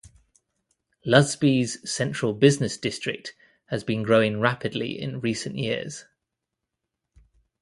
Lusby's central business district has been growing rapidly in recent years.